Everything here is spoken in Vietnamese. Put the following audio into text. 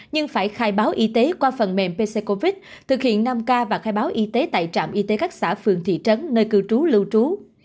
nhưng phải khai báo y tế qua phần mềm pc covid thực hiện năm k và khai báo y tế tại trạm y tế các xã phường thị trấn nơi cư trú lưu trú